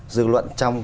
dư luận trong